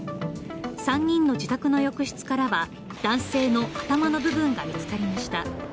３人の自宅の浴室からは男性の頭の部分が見つかりました。